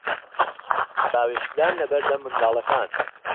باوێشکدان لە بەردەم منداڵەکان